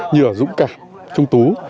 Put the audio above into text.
như ở dũng cảm trung tú